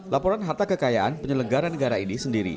laporan harta kekayaan penyelenggara negara ini sendiri